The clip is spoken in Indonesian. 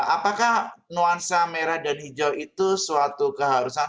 apakah nuansa merah dan hijau itu suatu keharusan